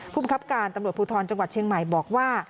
ภูมิครับการตำรวจภูทรจังหวัดเชียงใหม่บอกว่า